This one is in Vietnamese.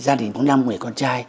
gia đình có năm người con trai